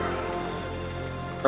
jaga dewa batar